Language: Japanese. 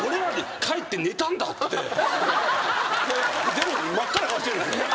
でも真っ赤な顔してるんですよ。